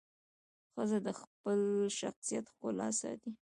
ښځه د خپل شخصیت ښکلا ساتي.